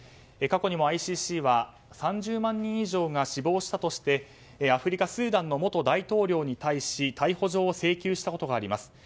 過去にもＩＣＣは３０万人以上が死亡したとしてアフリカ・スーダンの元大統領に対し逮捕状を請求したことがあります。